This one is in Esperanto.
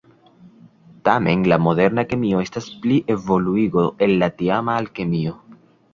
Tamen la moderna kemio estas plievoluigo el la tiama alkemio.